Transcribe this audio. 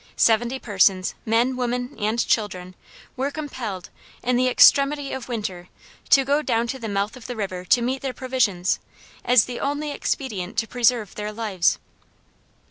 Seventy persons, men, women, and children, were compelled, in the extremity of winter, to go down to the mouth of the river to meet their provisions, as the only expedient to preserve their lives.